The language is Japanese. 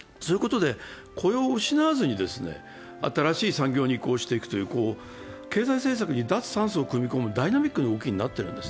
雇用を失わずに新しい産業に移行していくという経済政策に脱酸素を組み込むダイナミックな動きになってるんです。